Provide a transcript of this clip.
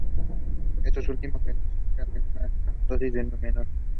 Estos últimos se necesitan en una dosis aún menor.